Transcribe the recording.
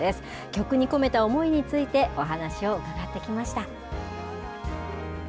曲に込めた思いについて、お話を伺ってきました。